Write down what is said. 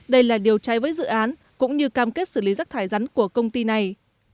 đây là điều trai với dự án cũng như cam kết xử lý rắc thải rắn của công ty này